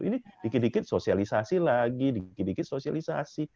ini dikit dikit sosialisasi lagi dikit dikit sosialisasi